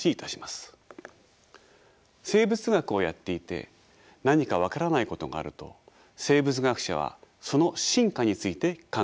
生物学をやっていて何か分からないことがあると生物学者はその進化について考えます。